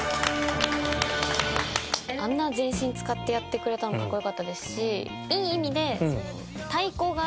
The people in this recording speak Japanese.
あんな全身使ってやってくれたのも格好良かったですし。